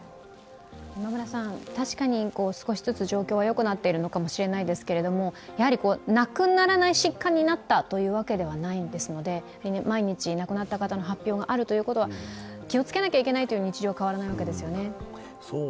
今村さん、確かに少しずつ状況はよくなっているのかもしれないですが亡くならない疾患になったというわけではないですので毎日亡くなった方の発表があるということは気をつけなければいけない日常は変わらないわけですよね？